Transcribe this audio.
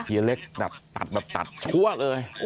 เฮเล็กตัดแบบตัดคั่วเลย